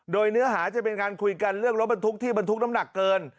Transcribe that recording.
โดยเนื้อหาจะเป็นการคุยกันเรื่องรถบรรทุกที่บรรทุกน้ำหนักเกิน